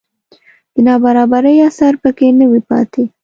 د نابرابرۍ اثر په کې نه وي پاتې